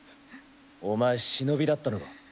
お前忍だったのか？